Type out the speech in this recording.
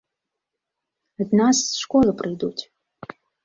Ад нас з школы прыйдуць.